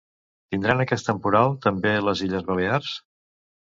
Tindran aquest temporal també les Illes Balears?